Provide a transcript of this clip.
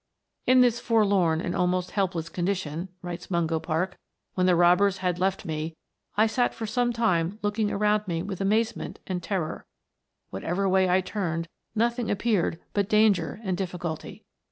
" In this forlorn and almost helpless condition," writes Mungo Park, " when the robbers had left me, I sat for some time looking around me with amazement and terror; whatever way I turned, nothing appeared but danger and difficulty.